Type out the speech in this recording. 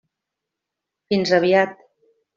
Fins aviat.